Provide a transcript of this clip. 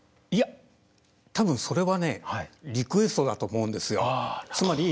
いや多分それはねリクエストだと思うんですよ。